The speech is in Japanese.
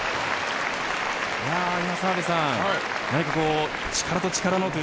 澤部さん、何か力と力のという。